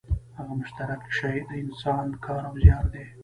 هغه مشترک شی د انسان کار او زیار دی